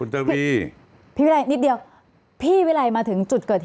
ต่ำรวจมาทั้งหมด๕คน